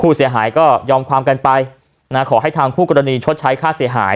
ผู้เสียหายก็ยอมความกันไปนะขอให้ทางคู่กรณีชดใช้ค่าเสียหาย